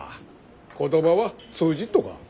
言葉は通じっとか？